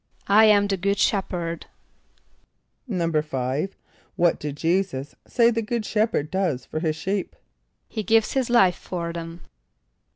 ="I am the good shepherd."= =5.= What did J[=e]´[s+]us say the good shepherd does for his sheep? =He gives his life for them.